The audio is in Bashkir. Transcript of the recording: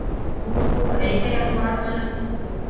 — У, әйтерең бармы.